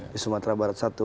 di sumatera barat satu